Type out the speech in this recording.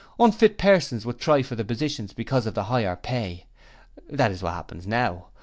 Unfit persons would try for the positions because of the higher pay. That is what happens now.